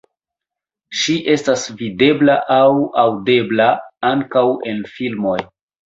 Ŝi estas videbla aŭ aŭdebla ankaŭ en filmoj.